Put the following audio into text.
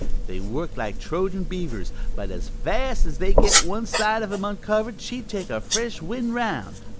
They worked like Trojan beavers, but as fast as they'd get one side of him uncovered she'd take a fresh wind round.